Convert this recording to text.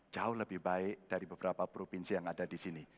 jauh lebih baik dari beberapa provinsi yang ada di sini